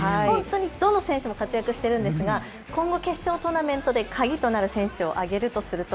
どの選手も活躍しているんですが今後、決勝トーナメントで鍵となる選手を挙げるとすると？